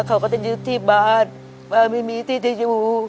เขาก็จะยึดที่บ้านว่าไม่มีที่จะอยู่